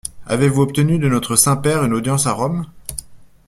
Avez-vous obtenu de notre Saint-Père une audience à Rome?